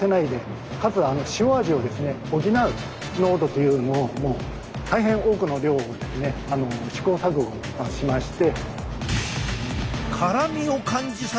というのをもう大変多くの量を試行錯誤しまして。